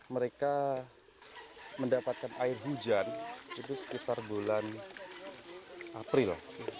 mereka mendapatkan air hujan itu sekitar bulan april